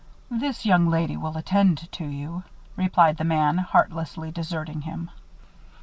"This young lady will attend to you," replied the man, heartlessly deserting him.